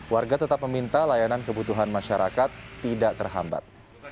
warga tetap meminta layanan kebutuhan masyarakat tidak terhambat